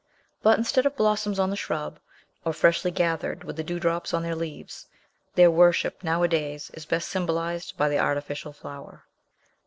But, instead of blossoms on the shrub, or freshly gathered, with the dewdrops on their leaves, their worship, nowadays, is best symbolized by the artificial flower.